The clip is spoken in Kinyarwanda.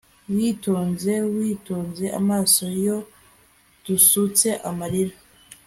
Witonze witonze amaso iyo dusutse amarira